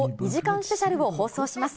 スペシャルを放送します。